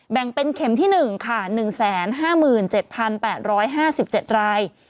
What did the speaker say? แบ่งเป็นเข็มที่๑ค่ะ๑๕๗๘๕๗ราย